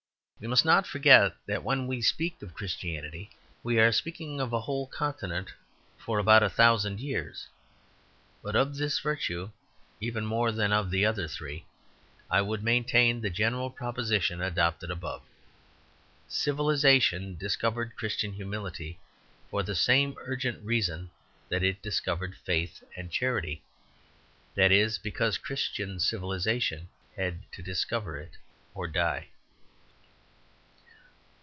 We must not forget that when we speak of Christianity we are speaking of a whole continent for about a thousand years. But of this virtue even more than of the other three, I would maintain the general proposition adopted above. Civilization discovered Christian humility for the same urgent reason that it discovered faith and charity that is, because Christian civilization had to discover it or die.